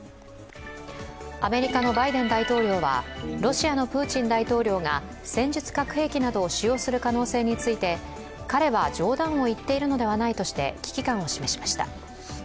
アメリカのバイデン大統領はロシアのプーチン大統領が戦術核兵器などを使用する可能性について、彼は冗談を言っているのではないとして危機感を示しました。